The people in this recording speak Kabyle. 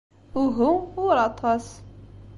Uhu, ur aṭas.